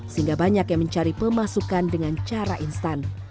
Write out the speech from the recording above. sehingga banyak yang mencari pemasukan dengan cara instan